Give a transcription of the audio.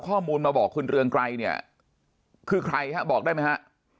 ข้อมูลมาบอกคุณเรือมใกล้เนี่ยคือใครบอกได้มั้ยฮะ